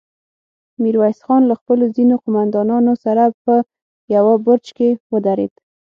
ميرويس خان له خپلو ځينو قوماندانانو سره په يوه برج کې ودرېد.